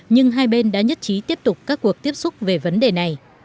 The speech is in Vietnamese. nhưng hai bên đã nhất trí tiếp tục các cuộc tiếp xúc về vấn đề này